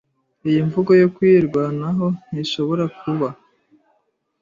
Iyi mvugo yo kwirwanaho ntishobora kuba